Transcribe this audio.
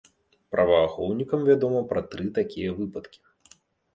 Праваахоўнікам вядома пра тры такія выпадкі.